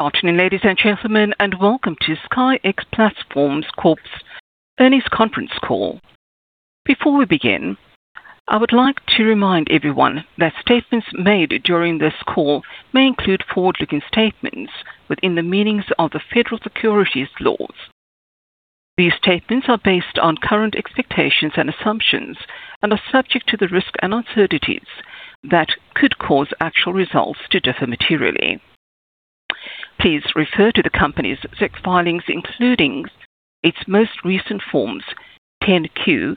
Good afternoon, ladies and gentlemen. Welcome to SKYX Platforms Corp.'s Earnings Conference Call. Before we begin, I would like to remind everyone that statements made during this call may include forward-looking statements within the meanings of the federal securities laws. These statements are based on current expectations and assumptions and are subject to the risks and uncertainties that could cause actual results to differ materially. Please refer to the company's SEC filings, including its most recent Forms 10-Q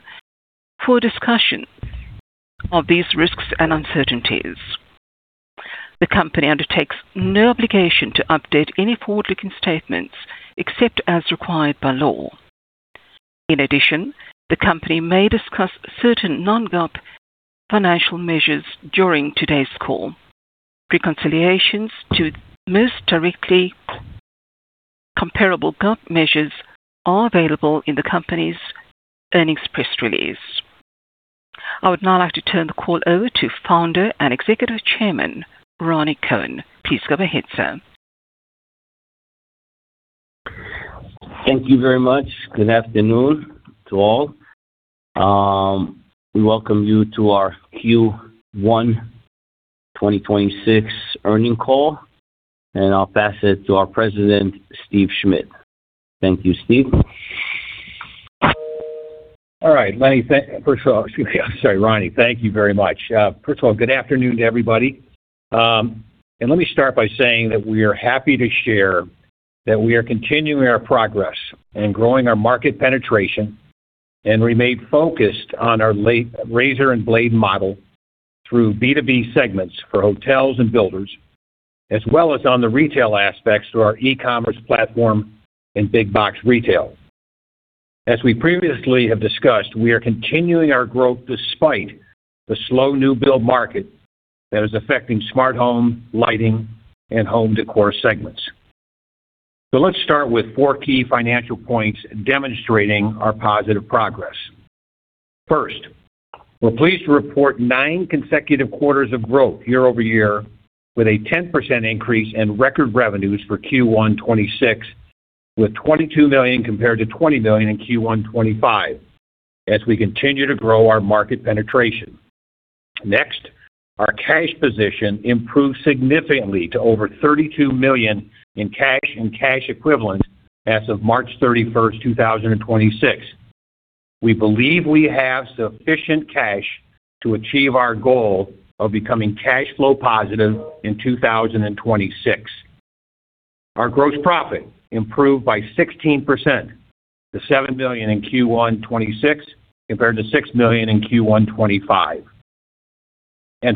for a discussion of these risks and uncertainties. The company undertakes no obligation to update any forward-looking statements except as required by law. In addition, the company may discuss certain non-GAAP financial measures during today's call. Reconciliations to most directly comparable GAAP measures are available in the company's earnings press release. I would now like to turn the call over to Founder and Executive Chairman, Rani Kohen. Please go ahead, sir. Thank you very much. Good afternoon to all. We welcome you to our Q1 2026 earnings call, and I'll pass it to our President, Steve Schmidt. Thank you, Steve. All right, Lenny. Excuse me. I'm sorry, Rani. Thank you very much. First of all, good afternoon to everybody. Let me start by saying that we are happy to share that we are continuing our progress and growing our market penetration, and remain focused on our razor and blade model through B2B segments for hotels and builders, as well as on the retail aspects through our e-commerce platform and big box retail. As we previously have discussed, we are continuing our growth despite the slow new build market that is affecting smart home, lighting, and home decor segments. Let's start with four key financial points demonstrating our positive progress. First, we're pleased to report nine consecutive quarters of growth year-over-year, with a 10% increase in record revenues for Q1 2026, with $22 million compared to $20 million in Q1 2025 as we continue to grow our market penetration. Next, our cash position improved significantly to over $32 million in cash and cash equivalents as of March 31st, 2026. We believe we have sufficient cash to achieve our goal of becoming cash flow positive in 2026. Our gross profit improved by 16% to $7 million in Q1 2026, compared to $6 million in Q1 2025.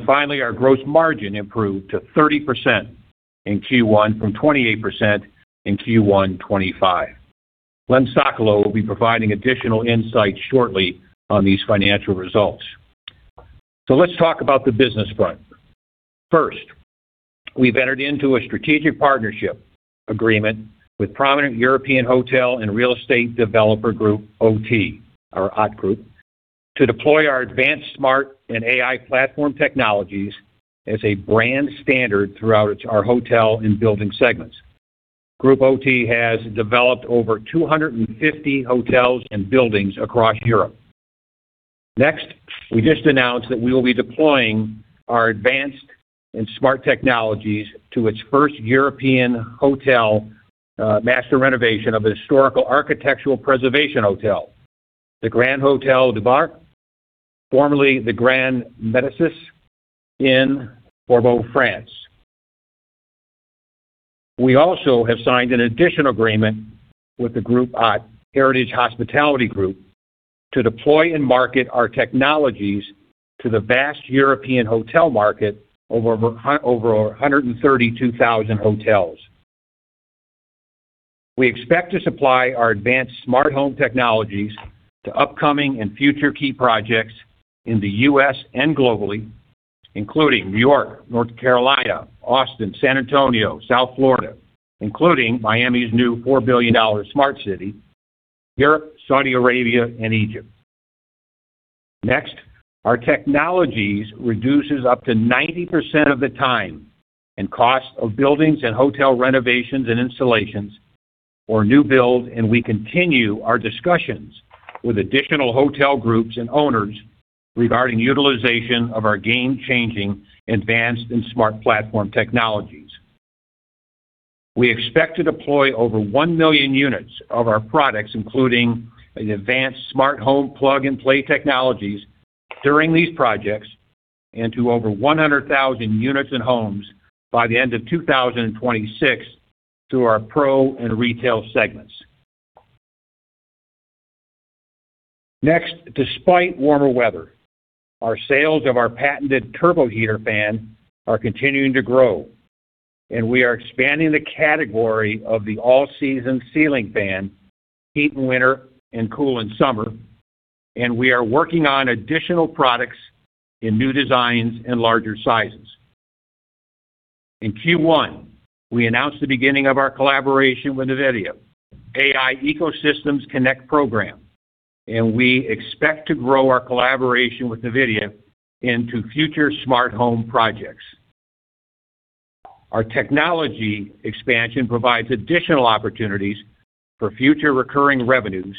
Finally, our gross margin improved to 30% in Q1 from 28% in Q1 2025. Lenny Sokolow will be providing additional insights shortly on these financial results. Let's talk about the business front. We've entered into a strategic partnership agreement with prominent European hotel and real estate developer Group OTT, or OTT Group, to deploy our advanced smart and AI platform technologies as a brand standard throughout its our hotel and building segments. Group OTT has developed over 250 hotels and buildings across Europe. We just announced that we will be deploying our advanced and smart technologies to its first European hotel, master renovation of a historical architectural preservation hotel, the Grand Hôtel de Bordeaux, formerly the Grand Medesis in Bordeaux, France. We have signed an additional agreement with the Group OTT Heritage Hospitality Group to deploy and market our technologies to the vast European hotel market over 132,000 hotels. We expect to supply our advanced smart home technologies to upcoming and future key projects in the U.S. and globally, including New York, North Carolina, Austin, San Antonio, South Florida, including Miami's new $4 billion smart city, Europe, Saudi Arabia, and Egypt. Our technologies reduces up to 90% of the time and cost of buildings and hotel renovations and installations or new builds. We continue our discussions with additional hotel groups and owners regarding utilization of our game-changing advanced and smart platform technologies. We expect to deploy over one million units of our products, including an advanced smart home plug-and-play technologies during these projects and to over 100,000 units and homes by the end of 2026 through our pro and retail segments. Despite warmer weather, our sales of our patented turbo heater fan are continuing to grow, and we are expanding the category of the all-season ceiling fan, heat in winter and cool in summer, and we are working on additional products in new designs and larger sizes. In Q1, we announced the beginning of our collaboration with NVIDIA AI Ecosystems Connect program. We expect to grow our collaboration with NVIDIA into future smart home projects. Our technology expansion provides additional opportunities for future recurring revenues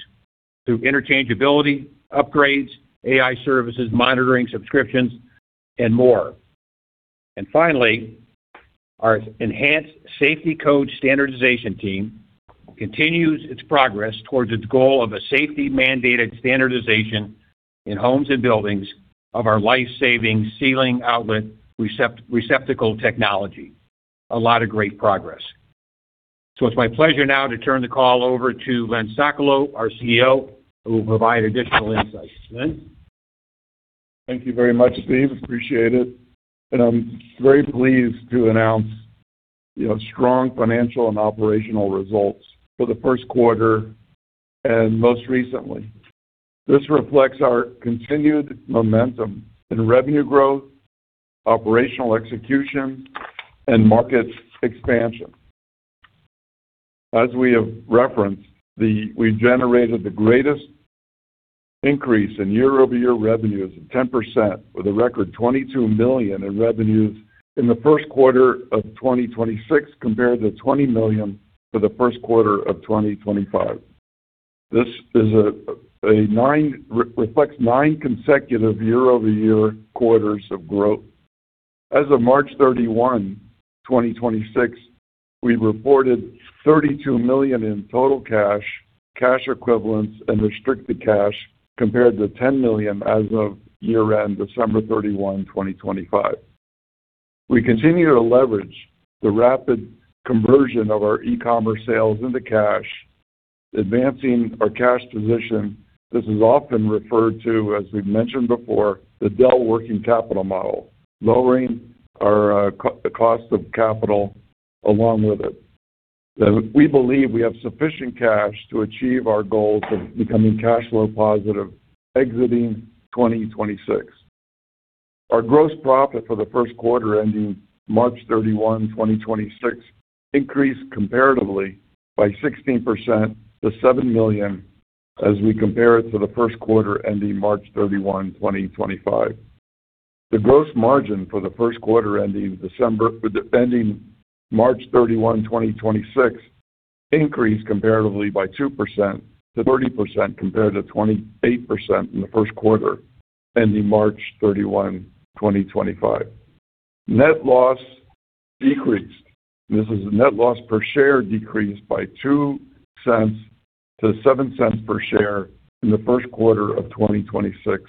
through interchangeability, upgrades, AI services, monitoring, subscriptions, and more. Finally, our enhanced safety code standardization team continues its progress towards its goal of a safety-mandated standardization in homes and buildings of our life-saving ceiling outlet receptacle technology. A lot of great progress. It's my pleasure now to turn the call over to Lenny Sokolow, our CEO, who will provide additional insights. Lenny. Thank you very much, Steve. Appreciate it. I'm very pleased to announce, you know, strong financial and operational results for the first quarter and most recently. This reflects our continued momentum in revenue growth, operational execution, and market expansion. As we have referenced, we generated the greatest increase in year-over-year revenues of 10%, with a record $22 million in revenues in the first quarter of 2026, compared to $20 million for the first quarter of 2025. This reflects nine consecutive year-over-year quarters of growth. As of March 31, 2026, we reported $32 million in total cash equivalents, and restricted cash, compared to $10 million as of year-end, December 31, 2025. We continue to leverage the rapid conversion of our e-commerce sales into cash, advancing our cash position. This is often referred to, as we've mentioned before, the Dell working capital model, lowering our cost of capital along with it. We believe we have sufficient cash to achieve our goals of becoming cash flow positive exiting 2026. Our gross profit for the first quarter ending March 31, 2026 increased comparatively by 16% to $7 million as we compare it to the first quarter ending March 31, 2025. The gross margin for the first quarter ending March 31, 2026 increased comparatively by 2% to 30% compared to 28% in the first quarter ending March 31, 2025. Net loss decreased. This is a net loss per share decreased by $0.02 to $0.07 per share in the first quarter of 2026,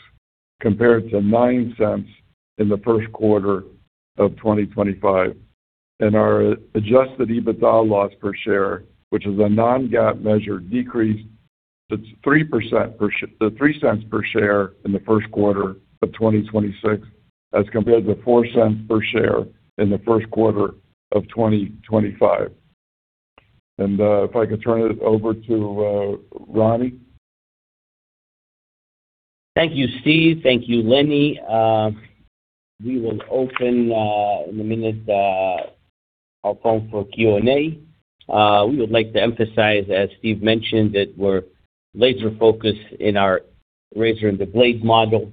compared to $0.09 in the first quarter of 2025. Our adjusted EBITDA loss per share, which is a non-GAAP measure, decreased to 3% to $0.03 per share in the first quarter of 2026 as compared to $0.04 per share in the first quarter of 2025. If I could turn it over to Rani Kohen. Thank you, Steve. Thank you, Lenny. We will open in a minute our phone for Q&A. We would like to emphasize, as Steve mentioned, that we're laser-focused in our razor and blade model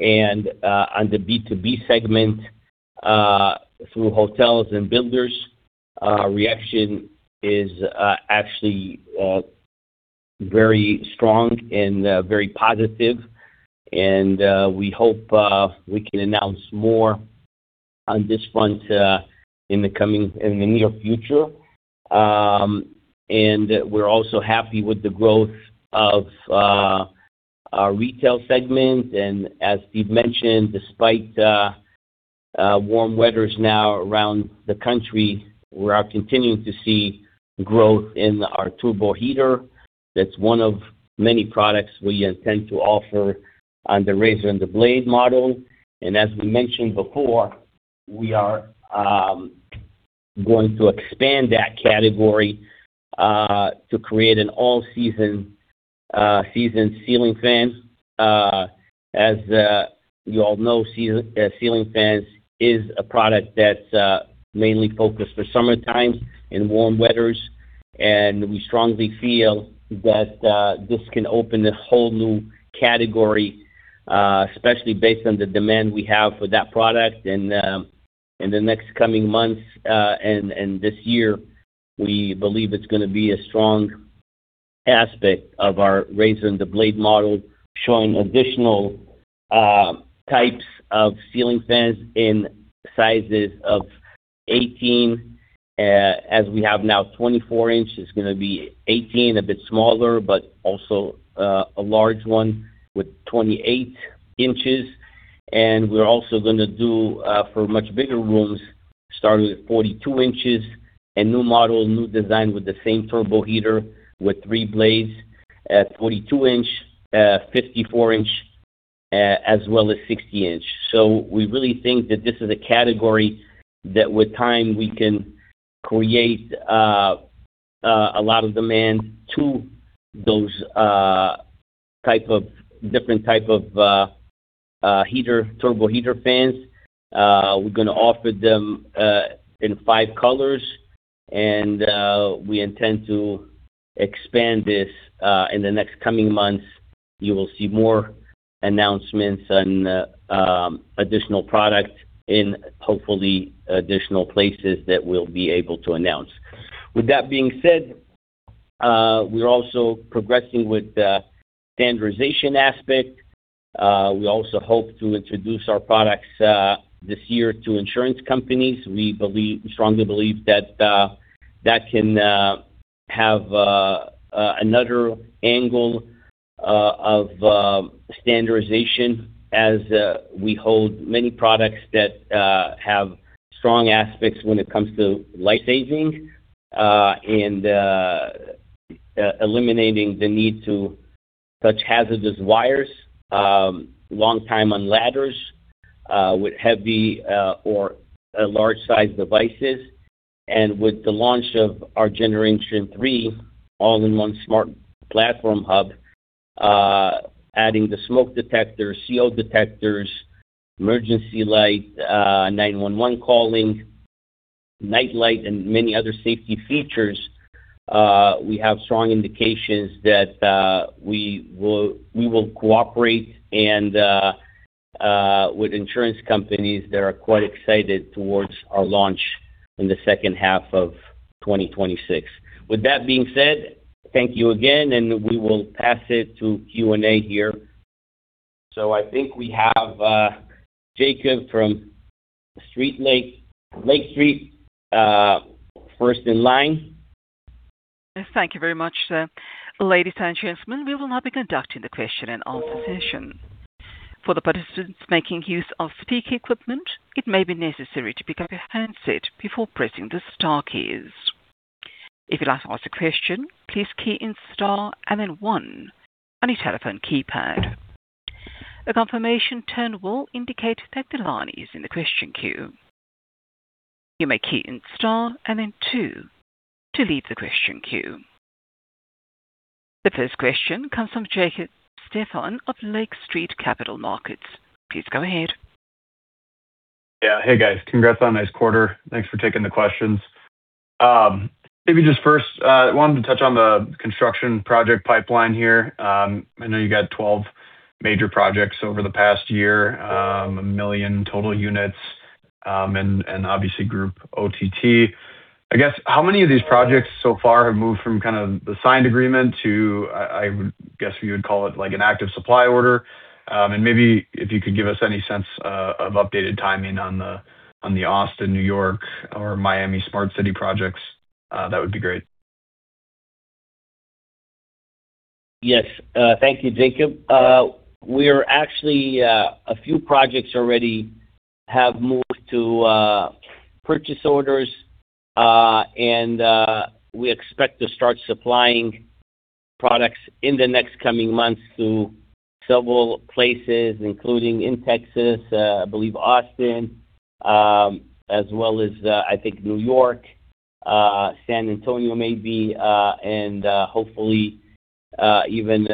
and on the B2B segment through hotels and builders. Reaction is actually very strong and very positive. We hope we can announce more on this front in the near future. We're also happy with the growth of our retail segment. As Steve mentioned, despite warm weathers now around the country, we are continuing to see growth in our turbo heater. That's one of many products we intend to offer on the razor and blade model. As we mentioned before, we are going to expand that category to create an all-season ceiling fan. As you all know, ceiling fans is a product that's mainly focused for summertime and warm weathers. We strongly feel that this can open a whole new category, especially based on the demand we have for that product. In the next coming months, this year, we believe it's gonna be a strong aspect of our razor and blade model, showing additional types of ceiling fans in sizes of 18 inch. As we have now 24 inch, it's gonna be 18 inch, a bit smaller, but also a large one with 28 inches. We're also going to do for much bigger rooms, starting with 42 inches, a new model, new design with the same turbo heater with three blades at 42 inch, 54 inch, as well as 60 inch. We really think that this is a category that with time we can create a lot of demand to those different type of heater, turbo heater fans. We're going to offer them in five colors and we intend to expand this. In the next coming months, you will see more announcements and additional products in hopefully additional places that we'll be able to announce. With that being said, we're also progressing with the standardization aspect. We also hope to introduce our products this year to insurance companies. We believe, strongly believe that that can have another angle of standardization as we hold many products that have strong aspects when it comes to life saving and eliminating the need to touch hazardous wires, long time on ladders, with heavy or large size devices. With the launch of our Generation 3 All-in-One Smart Platform hub, adding the smoke detectors, CO detectors, emergency light, 911 calling, night light, and many other safety features, we have strong indications that we will cooperate with insurance companies that are quite excited towards our launch in the second half of 2026. With that being said, thank you again, and we will pass it to Q&A here. I think we have Jacob from Lake Street, first in line. Yes, thank you very much, sir. Ladies and gentlemen, we will now be conducting the question and answer session. For the participants making use of speaker equipment, it may be necessary to pick up your handset before pressing the star keys. If you'd like to ask a question, please key in star and then one on your telephone keypad. A confirmation tone will indicate that the line is in the question queue. You may key in star and then two to leave the question queue. The first question comes from Jacob Stephan of Lake Street Capital Markets. Please go ahead. Hey, guys. Congrats on a nice quarter. Thanks for taking the questions. Maybe just first, wanted to touch on the construction project pipeline here. I know you got 12 major projects over the past year, one million total units, and obviously Group OTT. I guess how many of these projects so far have moved from kind of the signed agreement to, I would guess you would call it like an active supply order? Maybe if you could give us any sense of updated timing on the Austin, N.Y., or Miami smart city projects, that would be great. Yes. Thank you, Jacob. We are actually a few projects already have moved to purchase orders. We expect to start supplying products in the next coming months to several places, including in Texas, I believe Austin, as well as I think New York, San Antonio maybe, and hopefully even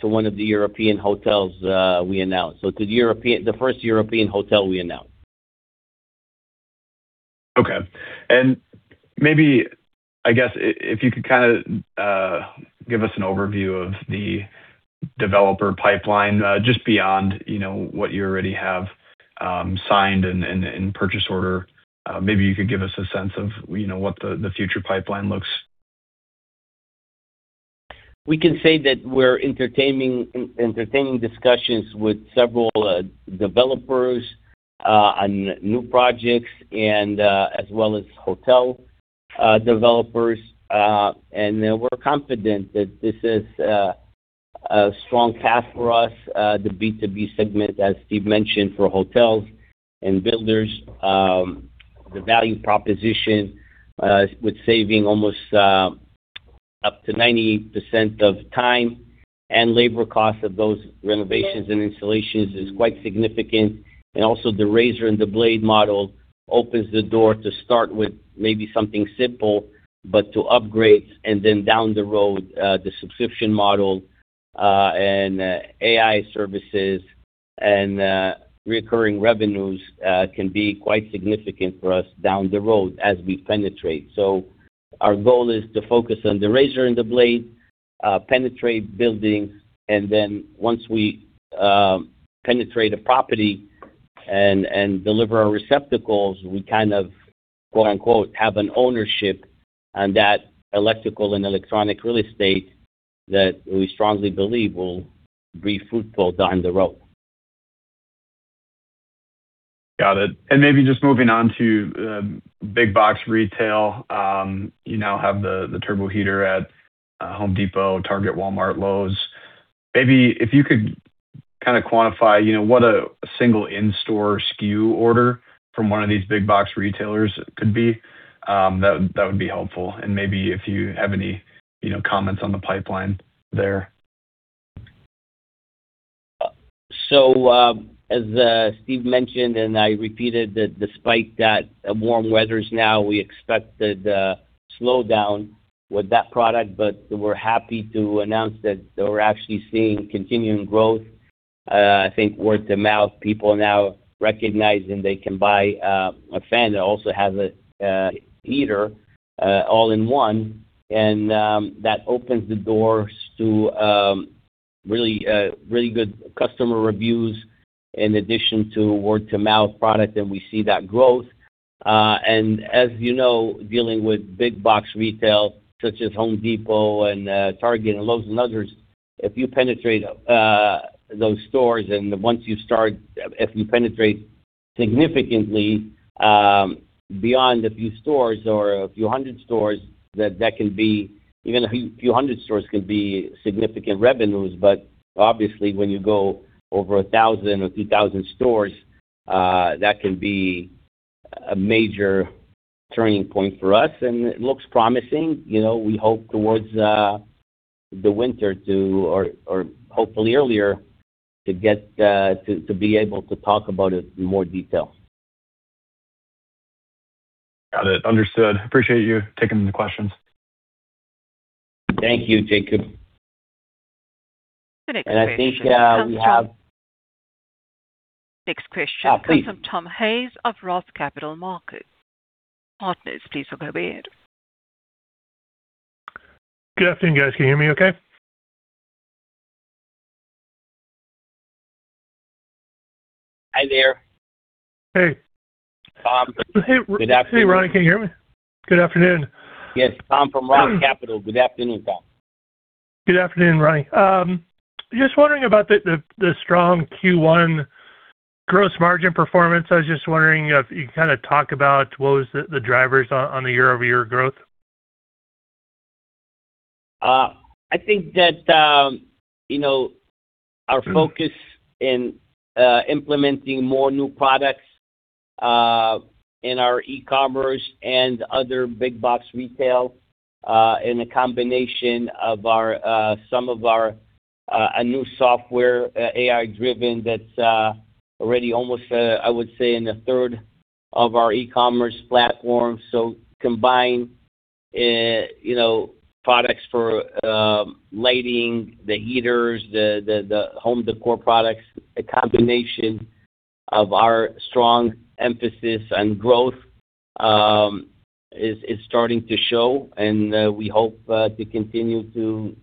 to one of the European hotels we announced. The first European hotel we announced. Okay. Maybe, I guess if you could give us an overview of the developer pipeline, just beyond, you know, what you already have, signed and purchase order. Maybe you could give us a sense of, you know, what the future pipeline looks. We can say that we're entertaining discussions with several developers on new projects as well as hotel developers. We're confident that this is a strong path for us, the B2B segment, as Steve mentioned, for hotels and builders. The value proposition with saving almost up to 90% of time and labor costs of those renovations and installations is quite significant. The razor and blade model opens the door to start with maybe something simple, but to upgrade down the road, the subscription model, AI services and recurring revenues can be quite significant for us down the road as we penetrate. Our goal is to focus on the razor and the blade, penetrate buildings, and then once we penetrate a property and deliver our receptacles, we kind of quote-unquote, "Have an ownership" on that electrical and electronic real estate that we strongly believe will be fruitful down the road. Got it. Maybe just moving on to big box retail. You now have the turbo heater at Home Depot, Target, Walmart, Lowe's. Maybe if you could kinda quantify, you know, what a single in-store SKU order from one of these big box retailers could be, that would be helpful. Maybe if you have any, you know, comments on the pipeline there. Steve mentioned, and I repeated that despite that warm weather's now, we expect that slowdown with that product, but we're happy to announce that we're actually seeing continuing growth. I think word-of-mouth, people now recognizing they can buy a fan that also has a heater, all in one. That opens the doors to really really good customer reviews in addition to word-of-mouth product, and we see that growth. As you know, dealing with big box retail, such as Home Depot, Target, and Lowe's and others, if you penetrate those stores and if you penetrate significantly, beyond a few stores or a few hundred stores, that can be even a few hundred stores can be significant revenues. Obviously, when you go over 1,000 stores or 2,000 stores, that can be a major turning point for us, and it looks promising. You know, we hope towards the winter or hopefully earlier, to get to be able to talk about it in more detail. Got it. Understood. Appreciate you taking the questions. Thank you, Jacob. The next question comes from. I think, we have. Next question comes from. Please. Tom Hayes of Roth Capital Partners. Please go ahead. Good afternoon, guys. Can you hear me okay? Hi there. Hey. Tom. Hey. Good afternoon. Hey, Rani. Can you hear me? Good afternoon. Yes, Tom from Roth Capital. Good afternoon, Tom. Good afternoon, Rani. Just wondering about the strong Q1 gross margin performance. I was just wondering if you could kind of talk about what was the drivers on the year-over-year growth. I think that, you know, our focus in implementing more new products in our e-commerce and other big box retail, in a combination of our some of our a new software, AI-driven that's already almost I would say in a third of our e-commerce platform. Combined, you know, products for lighting, the heaters, the home décor products, a combination of our strong emphasis and growth is starting to show, and we hope to continue to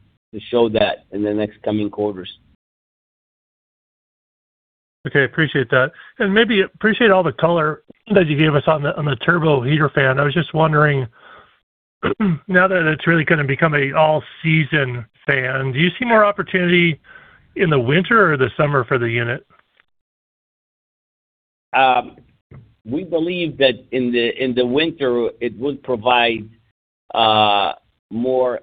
show that in the next coming quarters. Okay. Appreciate that. Maybe appreciate all the color that you gave us on the turbo heater fan. I was just wondering, now that it's really gonna become a all-season fan, do you see more opportunity in the winter or the summer for the unit? We believe that in the winter, it would provide more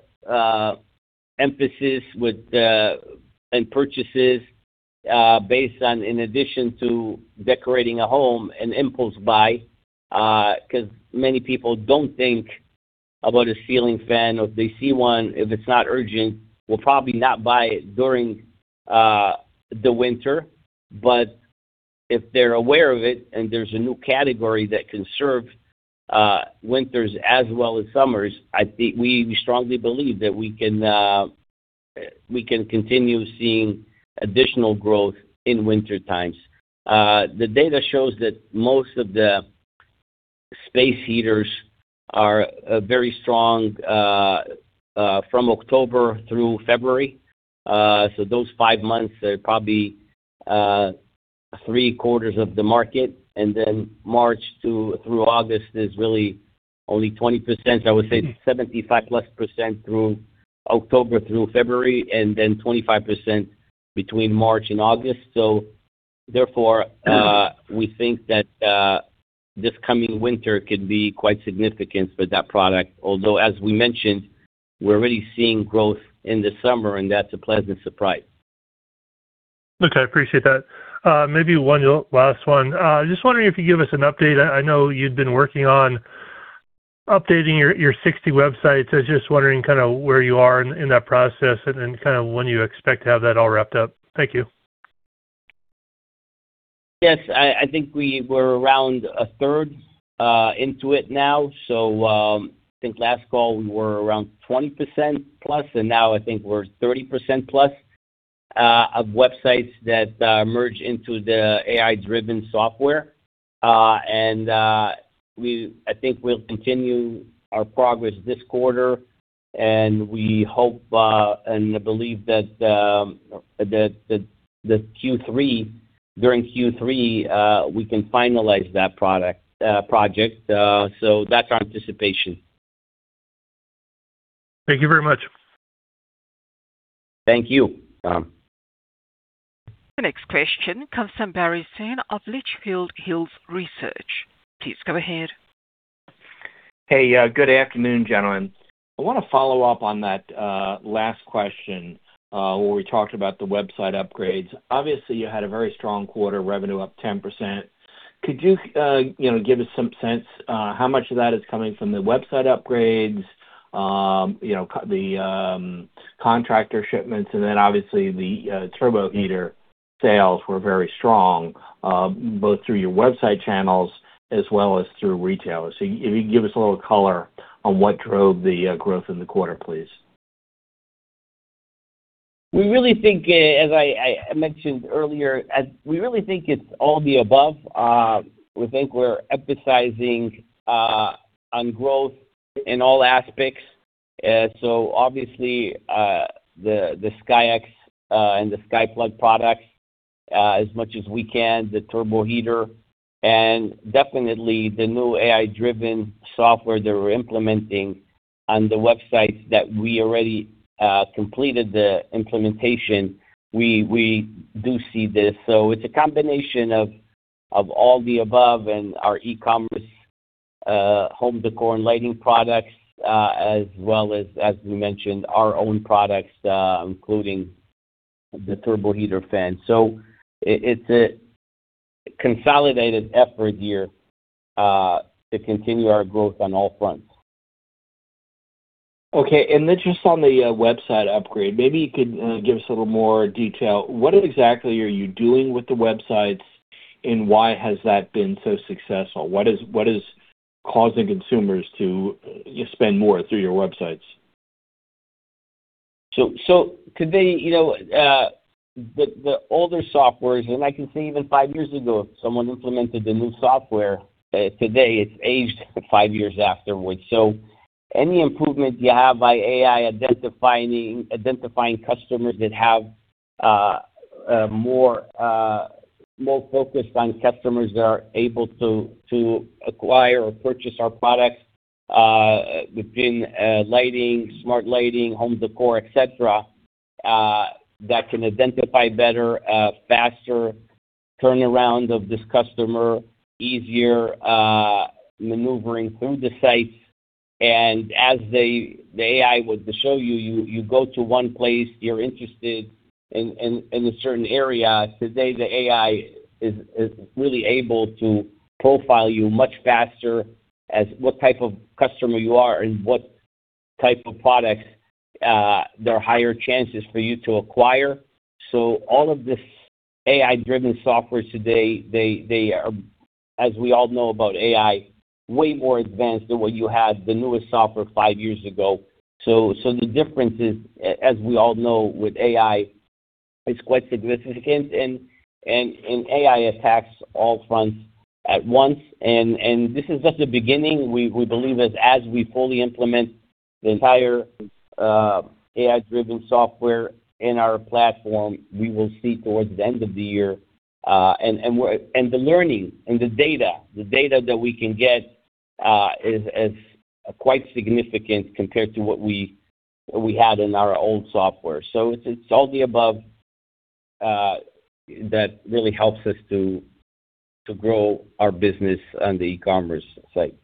emphasis with the and purchases, based on in addition to decorating a home and impulse buy, 'cause many people don't think about a ceiling fan or if they see one, if it's not urgent, will probably not buy it during the winter. If they're aware of it and there's a new category that can serve winters as well as summers, I think we strongly believe that we can continue seeing additional growth in winter times. The data shows that most of the space heaters are very strong from October through February. Those five months are probably three quarters of the market, and then March through August is really only 20%. I would say 75+% through October through February and then 25% between March and August. We think that this coming winter could be quite significant for that product. Although, as we mentioned, we're already seeing growth in the summer, and that's a pleasant surprise. Okay. Appreciate that. Maybe one last one. Just wondering if you could give us an update. I know you'd been working on updating your 60 websites. I was just wondering kind of where you are in that process and then kind of when you expect to have that all wrapped up. Thank you. Yes. I think we were around a third into it now. I think last call we were around 20%+, and now I think we're 30%+ of websites that merge into the AI-driven software. I think we'll continue our progress this quarter, and we hope and believe that Q3, during Q3, we can finalize that product project. That's our anticipation. Thank you very much. Thank you, Tom. The next question comes from Barry Sine of Litchfield Hills Research. Please go ahead. Hey. Good afternoon, gentlemen. I wanna follow up on that last question, where we talked about the website upgrades. Obviously, you had a very strong quarter, revenue up 10%. Could you know, give us some sense how much of that is coming from the website upgrades, you know, the contractor shipments and then obviously the SKYFAN & Turbo Heater? Sales were very strong, both through your website channels as well as through retailers. If you could give us a little color on what drove the growth in the quarter, please. We really think, as I mentioned earlier, it's all the above. We think we're emphasizing on growth in all aspects. Obviously, the SKYX and the SkyPlug products, as much as we can, the turbo heater and definitely the new AI-driven software that we're implementing on the websites that we already completed the implementation, we do see this. It's a combination of all the above and our e-commerce home decor and lighting products, as well as we mentioned, our own products, including the turbo heater fan. It's a consolidated effort here to continue our growth on all fronts. Okay. Just on the website upgrade, maybe you could give us a little more detail. What exactly are you doing with the websites, and why has that been so successful? What is causing consumers to spend more through your websites? Today, you know, the older softwares, and I can say even five years ago, someone implemented the new software, today it's aged five years afterwards. Any improvement you have by AI identifying customers that have more, more focused on customers that are able to acquire or purchase our products within lighting, smart lighting, home decor, et cetera, that can identify better, faster turnaround of this customer, easier maneuvering through the sites. As the AI would show you go to one place, you're interested in a certain area. Today, the AI is really able to profile you much faster as what type of customer you are and what type of products there are higher chances for you to acquire. All of this AI-driven software today, they are, as we all know about AI, way more advanced than what you had the newest software five years ago. The difference is, as we all know with AI, is quite significant and AI attacks all fronts at once. This is just the beginning. We believe as we fully implement the entire AI-driven software in our platform, we will see towards the end of the year, and the learning and the data that we can get is quite significant compared to what we had in our own software. It's all the above that really helps us to grow our business on the e-commerce site.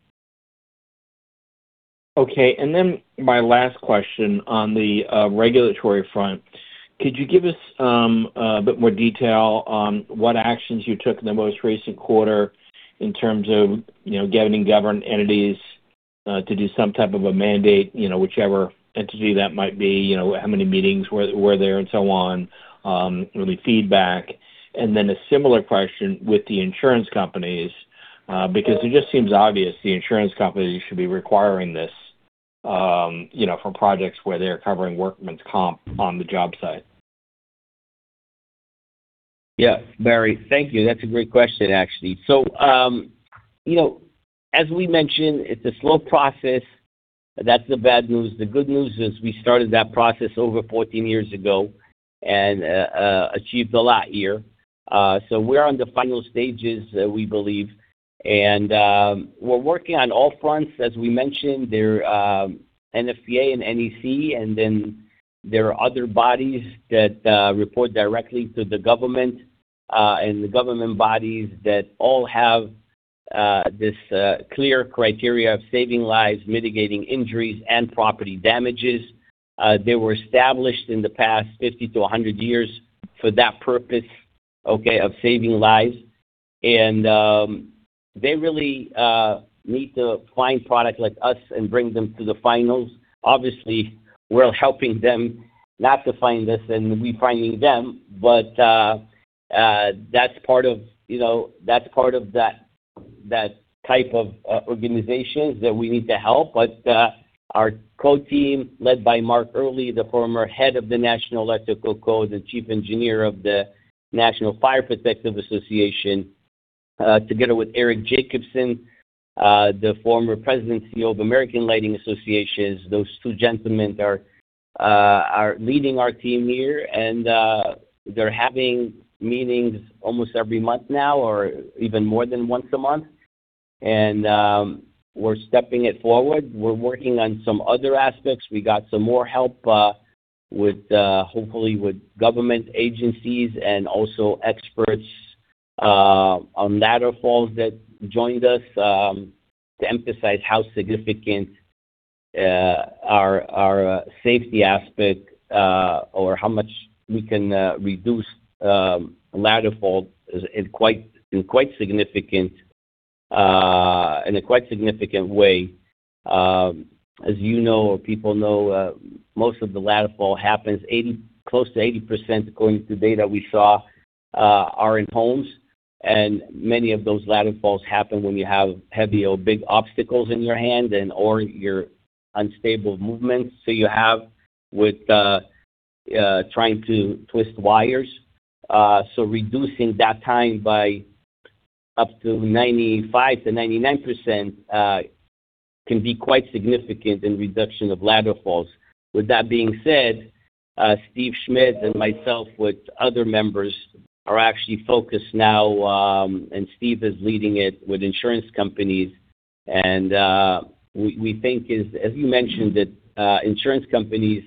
Okay. My last question on the regulatory front. Could you give us a bit more detail on what actions you took in the most recent quarter in terms of, you know, getting governed entities to do some type of a mandate, you know, whichever entity that might be, you know, how many meetings were there and so on, really feedback? A similar question with the insurance companies, because it just seems obvious the insurance companies should be requiring this, you know, for projects where they're covering workmans comp on the job site. Barry, thank you. That's a great question, actually. You know, as we mentioned, it's a slow process. That's the bad news. The good news is we started that process over 14 years ago and achieved a lot here. We're on the final stages, we believe. We're working on all fronts. As we mentioned there, NFPA and NEC, then there are other bodies that report directly to the government, and the government bodies that all have this clear criteria of saving lives, mitigating injuries and property damages. They were established in the past 50 years-100 years for that purpose, okay, of saving lives. They really need to find products like us and bring them to the finals. Obviously, we're helping them not to find us and we finding them. That's part of, you know, that's part of that type of organizations that we need to help. Our code team, led by Mark Earley, the former Head of the National Electrical Code, the Chief Engineer of the National Fire Protection Association, together with Eric Jacobson, the former President CEO of American Lighting Association, those two gentlemen are leading our team here. They're having meetings almost every month now or even more than once a month. We're stepping it forward. We're working on some other aspects. We got some more help with hopefully with government agencies and also experts on ladder falls that joined us to emphasize how significant our safety aspect or how much we can reduce ladder falls is quite significant. In a quite significant way. As you know or people know, most of the ladder fall happens close to 80%, according to data we saw, are in homes. Many of those ladder falls happen when you have heavy or big obstacles in your hand and/or your unstable movements that you have with trying to twist wires. Reducing that time by up to 95%-99% can be quite significant in reduction of ladder falls. With that being said, Steve Schmidt and myself with other members are actually focused now, and Steve is leading it with insurance companies. We, we think is, as you mentioned, that insurance companies,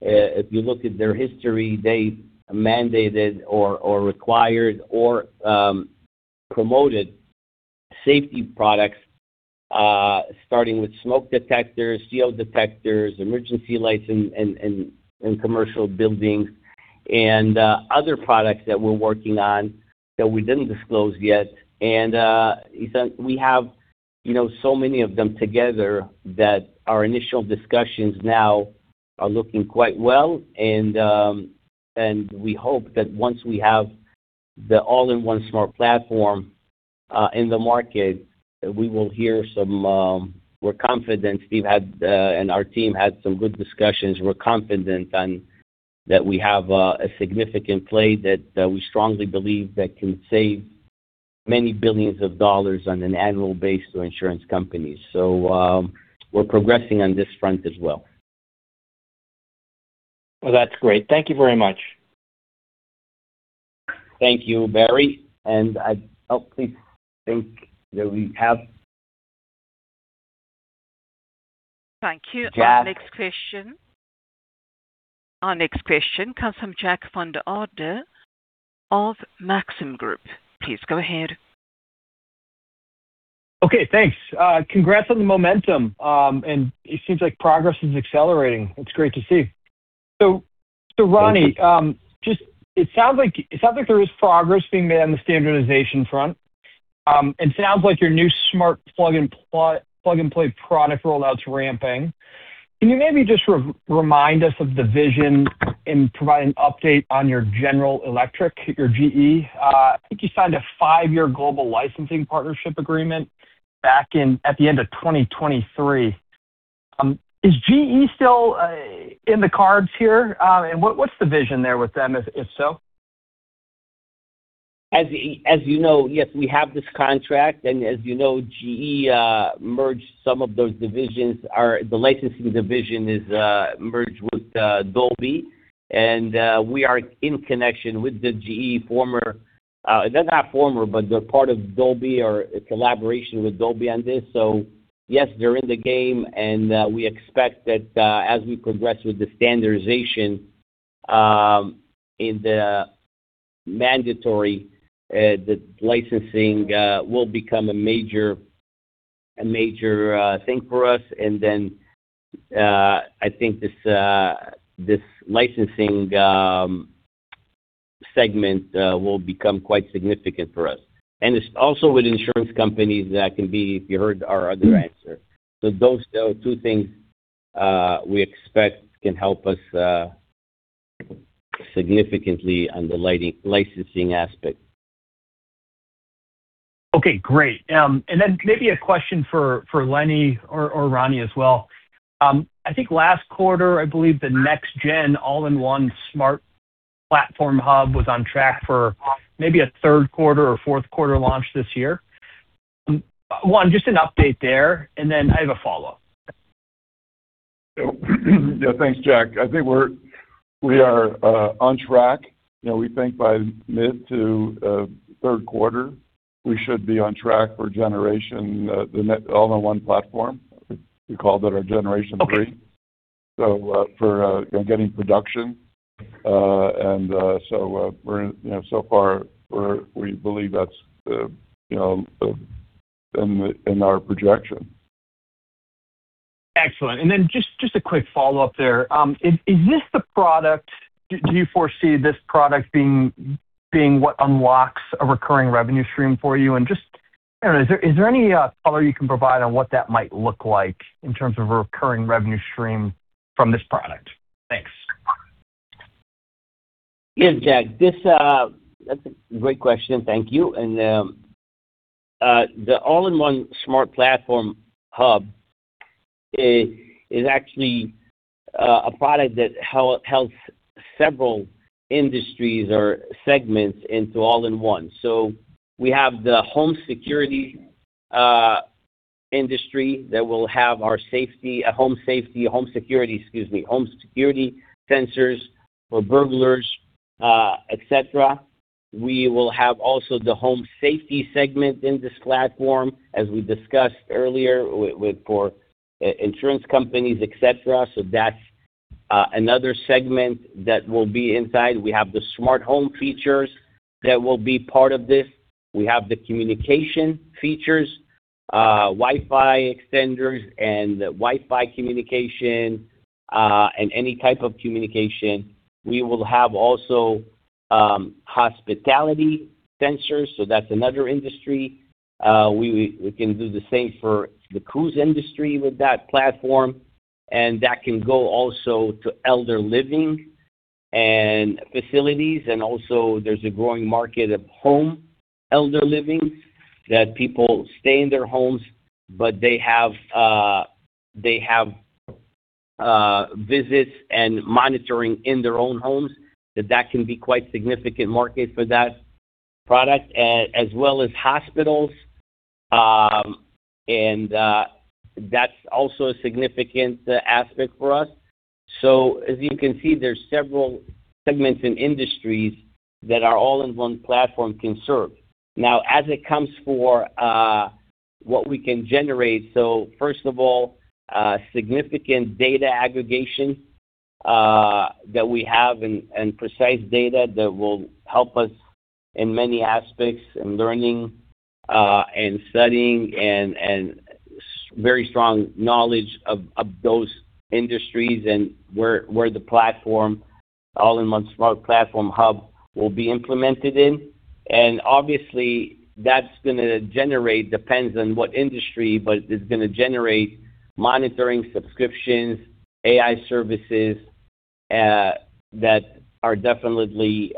if you look at their history, they mandated or required or promoted safety products, starting with smoke detectors, CO detectors, emergency lights in commercial buildings and other products that we're working on that we didn't disclose yet. Ethan, we have, you know, so many of them together that our initial discussions now are looking quite well. We hope that once we have the All-in-One Smart Platform in the market, that we will hear some. We're confident Steve had, and our team had some good discussions. We're confident on that we have a significant play that we strongly believe that can save many billions of dollars on an annual basis to insurance companies. We're progressing on this front as well. Well, that's great. Thank you very much. Thank you, Barry. Thank you. Jack. Our next question comes from Jack Vander Aarde of Maxim Group. Please go ahead. Okay, thanks. Congrats on the momentum. It seems like progress is accelerating. It's great to see. Rani, just it sounds like there is progress being made on the standardization front. It sounds like your new smart plug and plug-and-play product rollout's ramping. Can you maybe just remind us of the vision and provide an update on your General Electric, your GE? I think you signed a five-year global licensing partnership agreement back in, at the end of 2023. Is GE still in the cards here? What's the vision there with them if so? As you know, yes, we have this contract, and as you know, GE merged some of those divisions. Our licensing division is merged with Dolby. We are in connection with the GE former, not former, but they're part of Dolby or a collaboration with Dolby on this. Yes, they're in the game. We expect that as we progress with the standardization, in the mandatory, the licensing will become a major thing for us. I think this licensing segment will become quite significant for us. It's also with insurance companies that can be, if you heard our other answer. Those are two things we expect can help us significantly on the licensing aspect. Okay, great. Maybe a question for Lenny or Rani as well. I think last quarter, I believe the Generation 3 All-in-One Smart Platform was on track for maybe a third quarter or fourth quarter launch this year. One, just an update there. I have a follow-up. Yeah, thanks, Jack. I think we are on track. You know, we think by mid to third quarter, we should be on track for generation, the All-in-One Platform. We called it our Generation 3. Okay. For, you know, getting production. We're in, you know, so far we're, we believe that's the, you know, the, in the, in our projection. Excellent. Just a quick follow-up there. Is this the product you foresee this product being what unlocks a recurring revenue stream for you? I don't know, is there any color you can provide on what that might look like in terms of a recurring revenue stream from this product? Thanks. Yes, Jack. That's a great question. Thank you. The All-in-One Smart Platform hub is actually a product that helps several industries or segments into all in one. We have the home security industry that will have our safety, home security, excuse me, home security sensors for burglars, etc. We will have also the home safety segment in this platform, as we discussed earlier with for insurance companies, etc. That's another segment that will be inside. We have the smart home features that will be part of this. We have the communication features, Wi-Fi extenders and Wi-Fi communication. Any type of communication. We will have also hospitality sensors, that's another industry. We can do the same for the cruise industry with that platform, and that can go also to elder living and facilities. Also there's a growing market of home elder living, that people stay in their homes, but they have visits and monitoring in their own homes. That can be quite significant market for that product, as well as hospitals. That's also a significant aspect for us. As you can see, there's several segments and industries that our All-in-One Smart Platform can serve. As it comes for what we can generate, first of all, significant data aggregation that we have and precise data that will help us in many aspects in learning and studying and very strong knowledge of those industries and where the platform, All-in-One Smart Platform hub will be implemented in. Obviously, that's gonna generate, depends on what industry, but it's gonna generate monitoring subscriptions, AI services that are definitely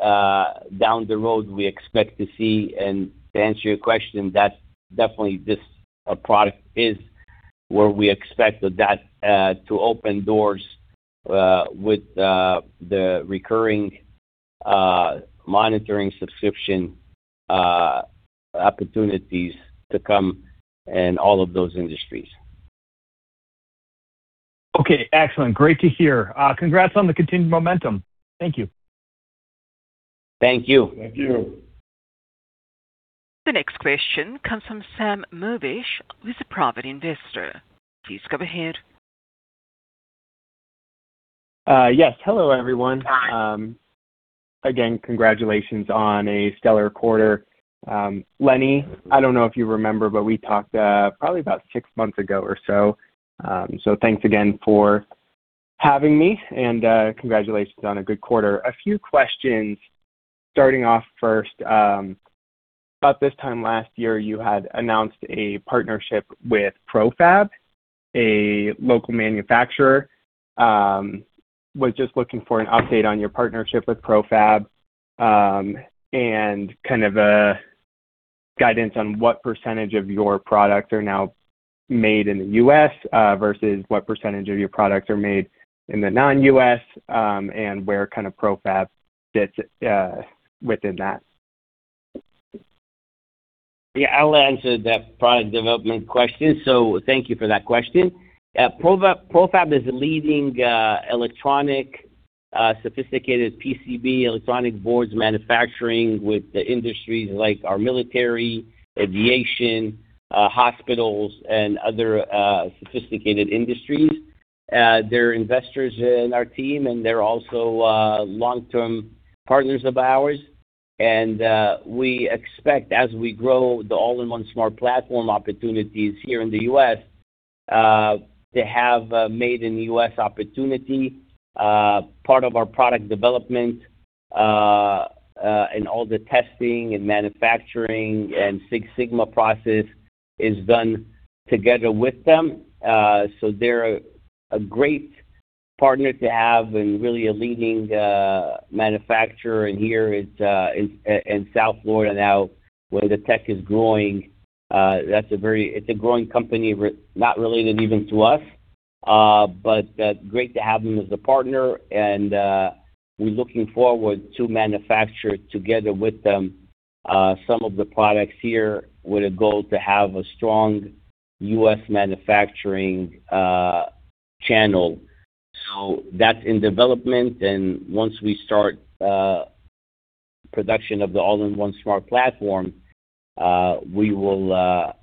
down the road we expect to see. To answer your question, that's definitely this product is where we expect that to open doors with the recurring monitoring subscription opportunities to come in all of those industries. Okay, excellent. Great to hear. Congrats on the continued momentum. Thank you. Thank you. Thank you. The next question comes from Sam Movish with a private investor. Please go ahead. Yes. Hello, everyone. Again, congratulations on a stellar quarter. Lenny, I don't know if you remember, we talked probably about six months ago or so. Thanks again for having me, congratulations on a good quarter. A few questions. Starting off first, about this time last year, you had announced a partnership with Profab, a local manufacturer. Was just looking for an update on your partnership with Profab, and kind of a guidance on what percentage of your products are now made in the U.S., versus what percentage of your products are made in the non-U.S., and where kind of Profab fits within that. I'll answer that product development question. Thank you for that question. Profab is a leading electronic sophisticated PCB, electronic boards manufacturing with the industries like our military, aviation, hospitals, and other sophisticated industries. They're investors in our team, and they're also long-term partners of ours. We expect, as we grow the All-in-One Smart Platform opportunities here in the U.S., to have a Made in U.S. opportunity. Part of our product development, and all the testing and manufacturing and Six Sigma process is done together with them. They're a great partner to have and really a leading manufacturer in here in South Florida now where the tech is growing. It's a growing company not related even to us. Great to have them as a partner and we're looking forward to manufacture together with them some of the products here with a goal to have a strong US manufacturing channel. That's in development, and once we start production of the All-in-One Smart Platform, we will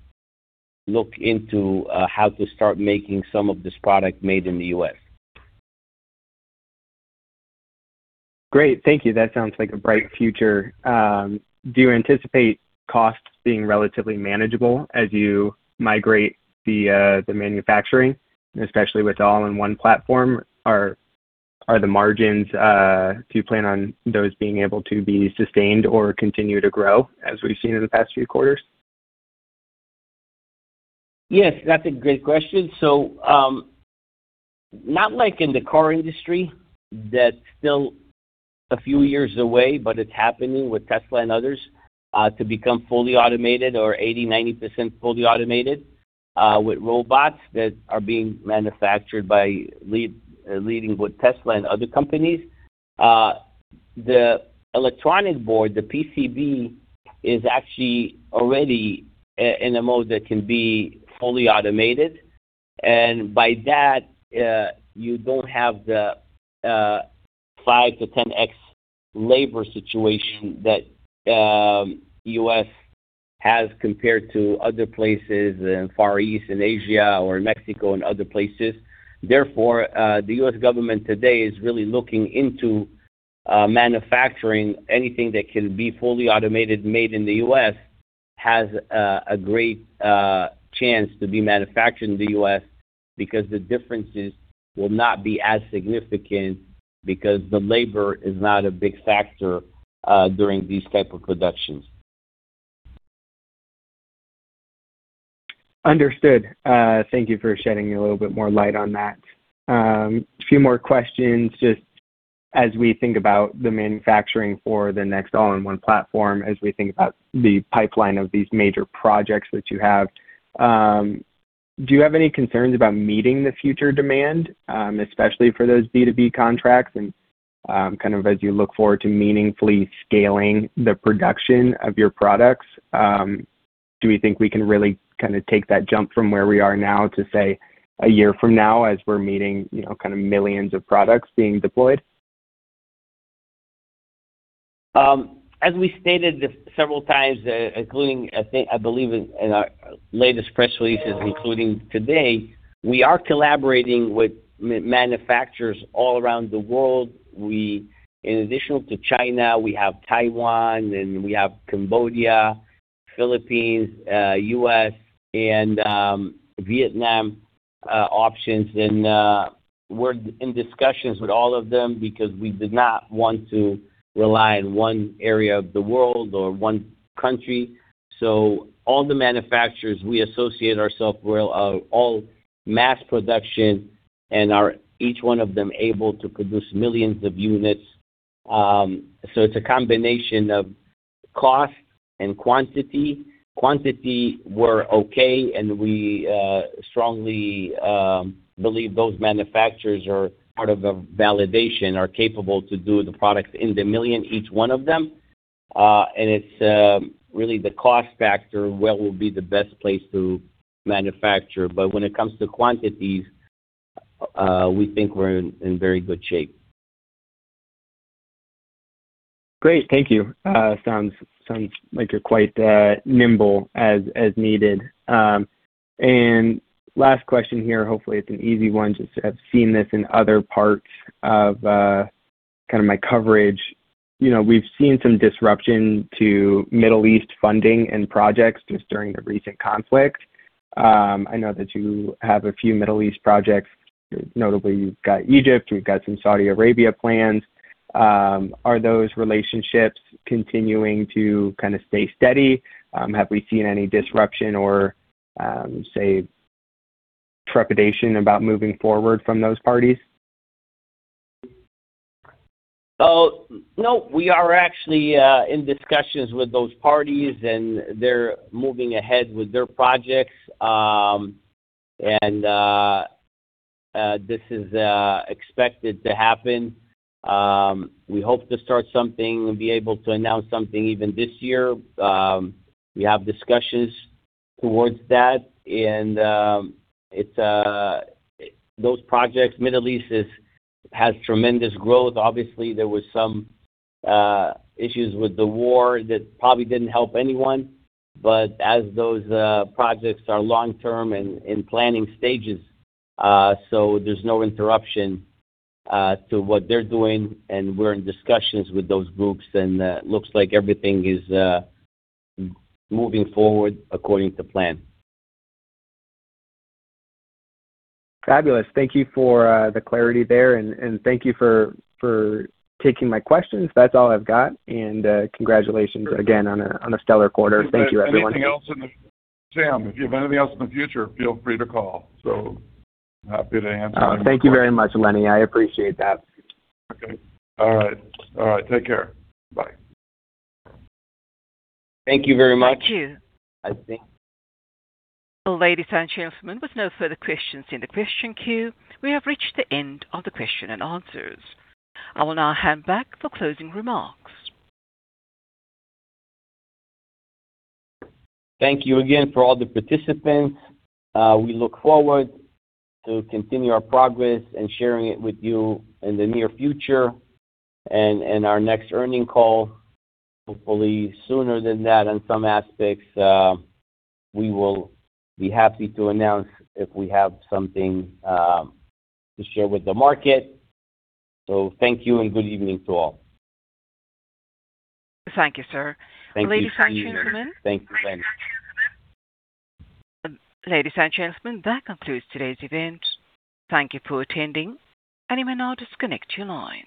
look into how to start making some of this product made in the U.S. Great. Thank you. That sounds like a bright future. Do you anticipate costs being relatively manageable as you migrate the manufacturing, especially with the All-in-One platform? Are the margins, do you plan on those being able to be sustained or continue to grow as we've seen in the past few quarters? Yes, that's a great question. Not like in the car industry. That's still a few years away, but it's happening with Tesla and others to become fully automated or 80%, 90% fully automated with robots that are being manufactured by leading with Tesla and other companies. The electronic board, the PCB, is actually already in a mode that can be fully automated. By that, you don't have the 5x-10x labor situation that U.S. has compared to other places in Far East and Asia or Mexico and other places. Therefore, the US government today is really looking into manufacturing anything that can be fully automated made in the U.S. Has a great chance to be manufactured in the U.S. because the differences will not be as significant because the labor is not a big factor during these type of productions. Understood. Thank you for shedding a little bit more light on that. Few more questions just as we think about the manufacturing for the next All-in-One Smart Platform, as we think about the pipeline of these major projects that you have. Do you have any concerns about meeting the future demand, especially for those B2B contracts and, kind of as you look forward to meaningfully scaling the production of your products, do we think we can really kinda take that jump from where we are now to, say, a year from now as we're meeting, you know, kinda millions of products being deployed? As we stated this several times, including, I think, I believe in our latest press releases, including today, we are collaborating with manufacturers all around the world. In addition to China, we have Taiwan, and we have Cambodia, Philippines, U.S. and Vietnam options. We're in discussions with all of them because we did not want to rely on one area of the world or one country. All the manufacturers we associate ourself with are all mass production and are each one of them able to produce millions of units. It's a combination of cost and quantity. Quantity, we're okay, and we strongly believe those manufacturers are part of the validation, are capable to do the products in the million, each one of them. It's really the cost factor, where will be the best place to manufacture. When it comes to quantities, we think we're in very good shape. Great. Thank you. Sounds like you're quite nimble as needed. Last question here, hopefully it's an easy one, just have seen this in other parts of kinda my coverage. You know, we've seen some disruption to Middle East funding and projects just during the recent conflict. I know that you have a few Middle East projects. Notably, you've got Egypt, you've got some Saudi Arabia plans. Are those relationships continuing to kinda stay steady? Have we seen any disruption or, say, trepidation about moving forward from those parties? No. We are actually in discussions with those parties, and they're moving ahead with their projects. This is expected to happen. We hope to start something and be able to announce something even this year. We have discussions towards that. It's those projects, Middle East has tremendous growth. Obviously, there was some issues with the war that probably didn't help anyone. As those projects are long-term and in planning stages, there's no interruption to what they're doing, and we're in discussions with those groups, and looks like everything is moving forward according to plan. Fabulous. Thank you for the clarity there and thank you for taking my questions. That's all I've got. Congratulations again on a stellar quarter. Thank you, everyone. Sam, if you have anything else in the future, feel free to call. Happy to answer any more questions. Thank you very much, Lenny. I appreciate that. Okay. All right. All right, take care. Bye. Thank you very much. Thank you. I think- Ladies and gentlemen, with no further questions in the question queue, we have reached the end of the question and answers. I will now hand back for closing remarks. Thank you again for all the participants. We look forward to continue our progress and sharing it with you in the near future and our next earning call, hopefully sooner than that in some aspects. We will be happy to announce if we have something to share with the market. Thank you and good evening to all. Thank you, sir. Thank you, Steve. Ladies and gentlemen. Thank you, Lenny. Ladies and gentlemen, that concludes today's event. Thank you for attending. You may now disconnect your line.